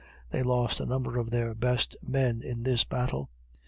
They lost a number of their best men in this battle.